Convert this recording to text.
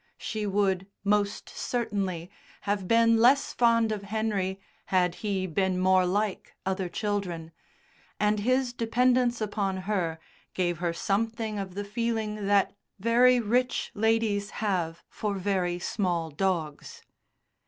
She would, most certainly, have been less fond of Henry had he been more like other children, and his dependence upon her gave her something of the feeling that very rich ladies have for very small dogs.